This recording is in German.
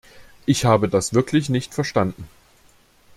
Ich habe das wirklich nicht verstanden.